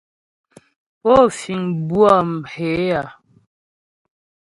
Pó fíŋ bʉə̌ mhě a?